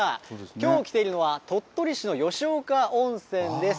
きょう来ているのは鳥取市の吉岡温泉です。